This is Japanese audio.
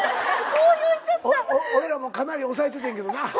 おいらもかなり抑えててんけどな。